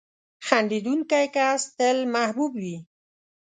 • خندېدونکی کس تل محبوب وي.